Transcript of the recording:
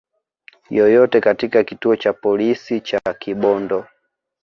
yoyote katika kituo cha polisi cha Kibondo